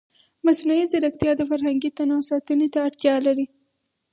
مصنوعي ځیرکتیا د فرهنګي تنوع ساتنې ته اړتیا لري.